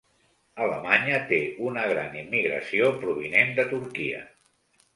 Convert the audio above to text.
Alemanya té una gran immigració provinent de Turquia